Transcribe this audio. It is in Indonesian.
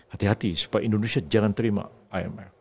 hati hati supaya indonesia jangan terima imf